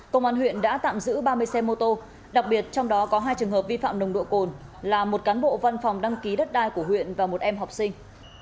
công an huyện đã tạm giữ ba mươi xe mô tô đặc biệt trong đó có hai trường hợp vi phạm nồng độ cồn là một cán bộ văn phòng đăng ký đất đai của huyện và một em học sinh